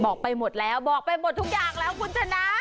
บอกไปหมดแล้วบอกไปหมดทุกอย่างแล้วคุณชนะ